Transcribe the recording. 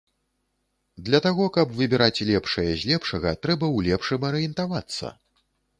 Для таго каб выбіраць лепшае з лепшага, трэба ў лепшым арыентавацца.